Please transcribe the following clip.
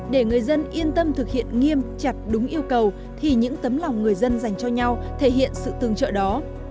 để người dân yên tâm thực hiện nghiêm chặt đúng yêu cầu thì những tấm lòng người dân dành cho nhau thể hiện sự tương trợ đó